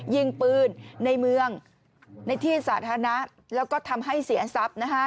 ยิงปืนในเมืองในที่สาธารณะแล้วก็ทำให้เสียทรัพย์นะคะ